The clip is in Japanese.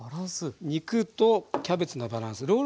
肉とキャベツのバランス。